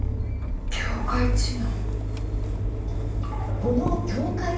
境界知能。